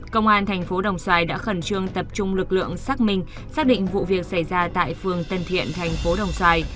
công an thành phố đồng xoài đã khẩn trương tập trung lực lượng xác minh xác định vụ việc xảy ra tại phường tân thiện thành phố đồng xoài